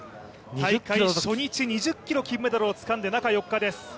大会初日、２０ｋｍで金メダルをとって中４日です。